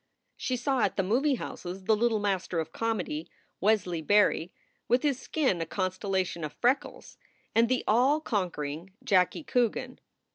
She saw at the movie houses the little master of comedy, Wesley Barry, with his skin a constellation of freckles; and the all conquer ing Jackie Coogan.